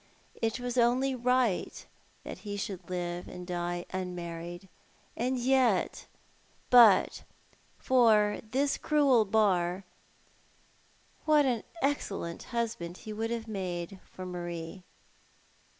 It was only right that he should live and die unmarried ; and yet — but for this cruel bar — what an excellent husband he would have made for Marie.